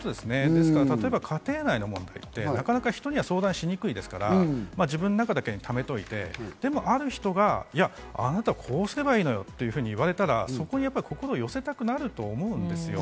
ですから家庭内の問題ってなかなか人には相談しにくいですから、自分の中で溜めておいて、でもある人はあなた、こうすればいいのよって言われたら、そこに心を寄せたくなると思うんですよ。